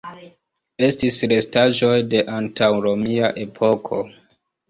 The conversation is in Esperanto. Estis restaĵoj de antaŭromia epoko.